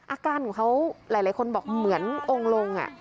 อาการของเขาหลายคนบอกเหมือนองค์ลง